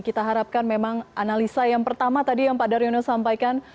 kita harapkan memang analisa yang pertama tadi yang pak daryono sampaikan